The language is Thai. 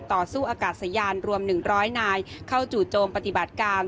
ต่อสู้อากาศยานรวม๑๐๐นายเข้าจู่โจมปฏิบัติการ